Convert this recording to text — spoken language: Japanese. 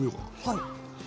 はい。